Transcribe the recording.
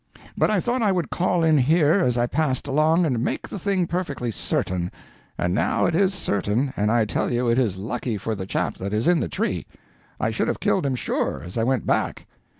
But I thought I would call in here as I passed along and make the thing perfectly certain; and now it is certain, and I tell you it is lucky for the chap that is in the tree. I should have killed him sure, as I went back.